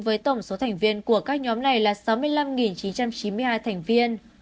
với tổng số thành viên của các nhóm này là sáu mươi năm chín trăm chín mươi hai thành viên